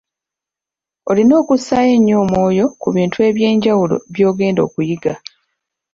Olina okussaayo ennyo omwoyo ku bintu eby’enjawulo by’ogenda okuyiga.